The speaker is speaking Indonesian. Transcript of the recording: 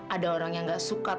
ada orang yang gak suka